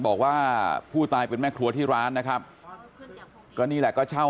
บอกว่าผู้ตายเป็นแม่ครัวที่ร้านนะครับก็นี่แหละก็เช่า